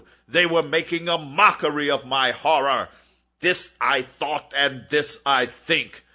—they were making a mockery of my horror!—this I thought, and this I think.